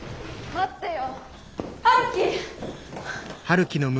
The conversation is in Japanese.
待ってよ。